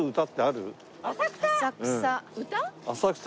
浅草。